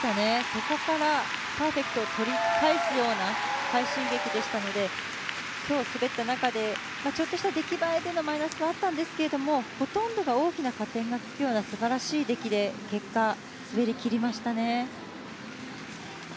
そこからパーフェクトを取り返すような快進撃でしたので今日滑った中でちょっとした出来栄え点のマイナスはあったんですけれどもほとんどが大きな加点が付くような素晴らしい出来で結果滑りきりましたね。